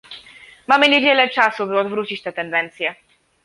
Mamy niewiele czasu, by odwrócić tę tendencję